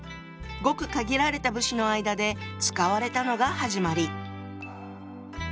ごく限られた武士の間で使われたのが始まり。